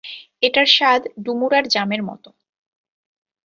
এটার স্বাদ ডুমুর আর জামের মতো।